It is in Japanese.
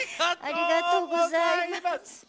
ありがとうございます。